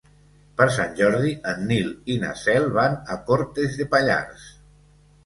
Per Sant Jordi en Nil i na Cel van a Cortes de Pallars.